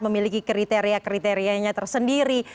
memiliki kriteria kriterianya tersendiri